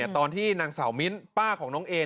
ตอนที่นางสาวมิ้นป้าของน้องเอ